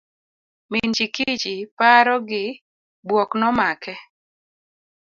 Min Chikichi paro gi buok nomake.